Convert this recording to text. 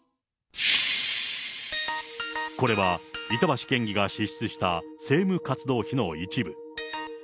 これは板橋県議が支出した政務活動費の一部。